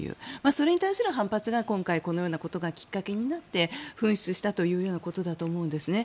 それに対する反発が今回このようなことがきっかけになって噴出したということだと思うんですね。